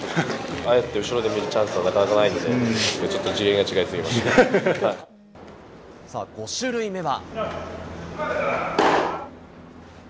ああやって後ろで見るチャンスはなかなかないので、ちょっと次元さあ、５種類目は。